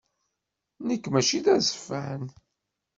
Nekk mačči d azeffan.